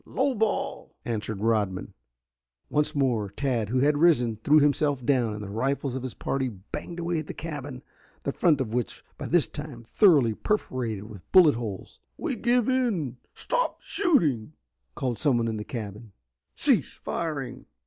Low ball!" answered Rodman. Once more Tad, who had risen, threw himself down, and the rifles of his party banged away at the cabin, the front of which was by this time thoroughly perforated with bullet holes. "We give in. Stop shooting!" called someone in the cabin. "Cease firing!"